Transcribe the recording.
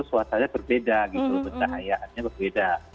suasana berbeda gitu pencahayaannya berbeda